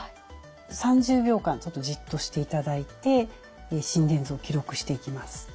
３０秒間じっとしていただいて心電図を記録していきます。